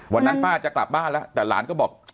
วันนั้นป้าจะกลับบ้านแล้วแต่หลานก็บอก